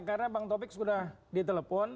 karena bang topik sudah ditelepon